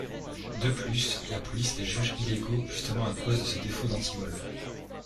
De plus, la police les juge illégaux justement à cause de ce défaut d'antivols.